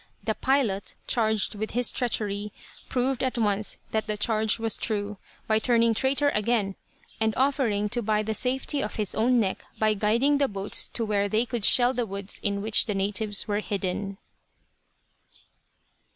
The pilot, charged with his treachery, proved at once that the charge was true, by turning traitor again and offering to buy the safety of his own neck by guiding the boats to where they could shell the woods in which the natives were hidden.